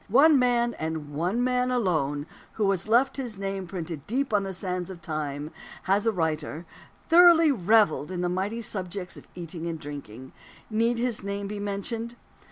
One man, and one man alone, who has left his name printed deep on the sands of time as a writer, thoroughly revelled in the mighty subjects of eating and drinking. Need his name be mentioned?